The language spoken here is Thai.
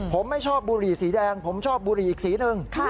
ผมไม่ชอบบุหรี่สีแดงผมชอบบุหรี่อีกสีหนึ่ง